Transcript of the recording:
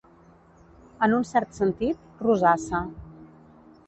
En un cert sentit, rosassa.